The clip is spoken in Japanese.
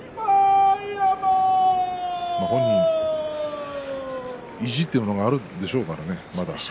本人にも意地というのがあるでしょうからね。